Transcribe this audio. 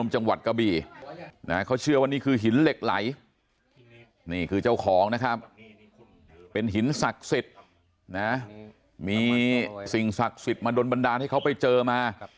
มีสิ่งศักดิ์สิทธิ์มาโดนบันดาลให้เขาไปเจอมา